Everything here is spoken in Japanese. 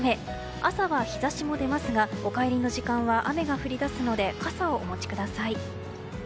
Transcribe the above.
朝は日差しも出ますがお帰りの時間は雨が降り出すので傘をお持ちください。